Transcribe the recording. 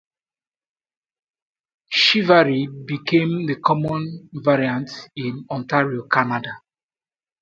"Chivaree" became the common variant in Ontario, Canada.